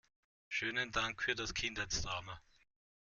Schönen Dank für das Kindheitstrauma!